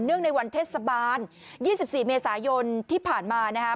เนื่องในวันเทศบาล๒๔เมษายนที่ผ่านมานะครับ